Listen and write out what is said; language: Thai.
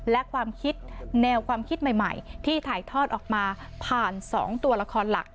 และความคิดแนวความคิดใหม่ที่ถ่ายทอดออกมาผ่าน๒ตัวละครหลัก